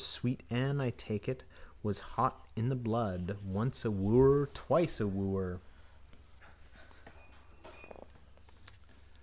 Sweet Ann, I take it, was hot in the blood. Once a wooer, twice a wooer.